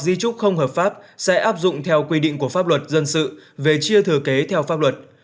di trúc không hợp pháp sẽ áp dụng theo quy định của pháp luật dân sự về chia thừa kế theo pháp luật